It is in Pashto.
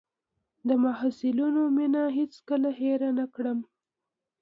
د محصلینو مينه هېڅ کله هېره نه کړم.